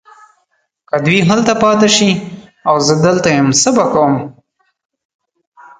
که دوی هلته پاته شي او زه دلته یم څه به کوم؟